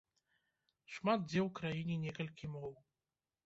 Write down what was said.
Шмат дзе ў краіне некалькі моў.